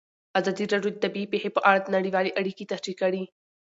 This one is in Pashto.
ازادي راډیو د طبیعي پېښې په اړه نړیوالې اړیکې تشریح کړي.